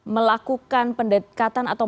melakukan pendekatan atau